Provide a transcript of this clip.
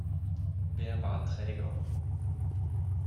Wer war träger?